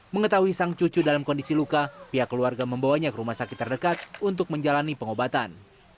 mengetahui sang cucu dalam kondisi luka pihak keluarga membawanya ke rumah sakit terdekat untuk menjalani pengobatan